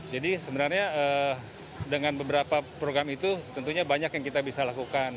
jadi sebenarnya dengan beberapa program itu tentunya banyak yang kita bisa lakukan